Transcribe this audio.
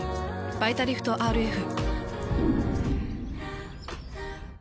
「バイタリフトＲＦ」。